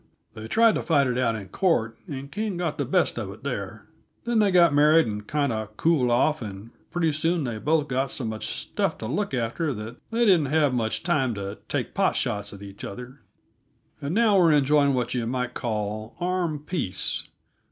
They tried to fight it out in court, and King got the best of it there. Then they got married and kind o' cooled off, and pretty soon they both got so much stuff to look after that they didn't have much time to take pot shots at each other, and now we're enjoying what yuh might call armed peace.